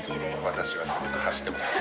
私はすごく走ってます。